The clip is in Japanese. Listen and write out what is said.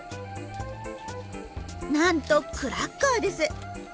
なんとクラッカーです！